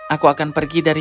aku akan pergi dulu